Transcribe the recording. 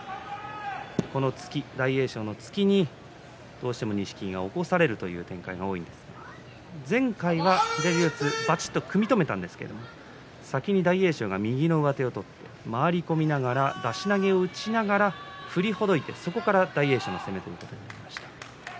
この大栄翔の突きにどうしても錦木が起こされるという展開が多いんですが前回は左四つばちっと組み止めたんですが先に大栄翔が右の上手を取って回り込みながら出し投げを打ちながら振りほどいてそこから大栄翔の攻めということになりました。